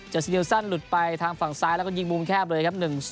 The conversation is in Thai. ซิเดลซันหลุดไปทางฝั่งซ้ายแล้วก็ยิงมุมแคบเลยครับ